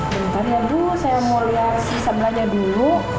bentar ya bu saya mau lihat sisa belanja dulu